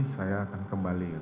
saya akan kembali